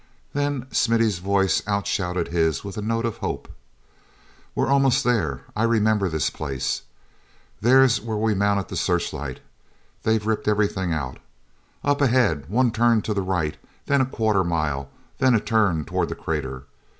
Then Smithy's voice outshouted his with a note of hope: "We're almost there; I remember this place. There's where we mounted the searchlight. They've ripped everything out. Up ahead, one turn to the right, then a quarter mile, then a turn toward the crater.